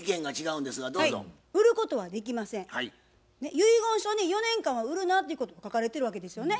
遺言書に「４年間は売るな」っていうこと書かれてるわけですよね。